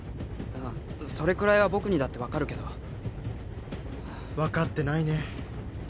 ああそれくらいは僕にだって分かるけど分かってないね